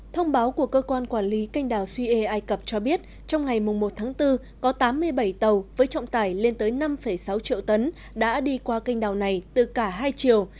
thông báo của cơ quan quản lý canh đảo sue ai cập cho biết trong ngày một tháng bốn có tám mươi bảy tàu với trọng tải lên tới năm sáu triệu tấn đã đi qua kênh đảo này từ cả hai chiều